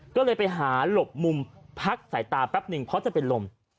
ก็เลยไปหาหลบมุมพักสายตาแป๊บหนึ่งเพราะจะเป็นลม